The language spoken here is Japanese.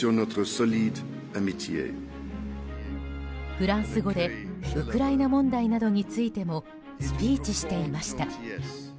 フランス語でウクライナ問題などについてもスピーチしていました。